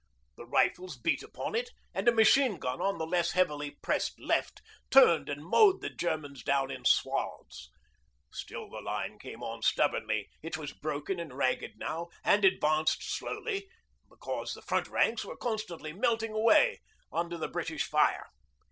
The rifles beat upon it, and a machine gun on the less heavily pressed left turned and mowed the Germans down in swathes. Still the line came on stubbornly. It was broken and ragged now, and advanced slowly, because the front ranks were constantly melting away under the British fire.